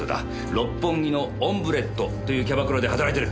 六本木のオンブレットというキャバクラで働いてる。